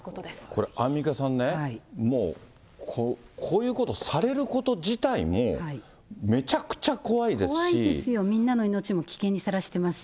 これ、アンミカさんね、もう、こういうことされること自体も、怖いですよ、みんなの命も危険にさらしてますし。